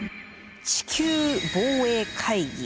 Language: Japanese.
地球防衛会議。